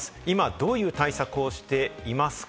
今どういう対策をしていますか？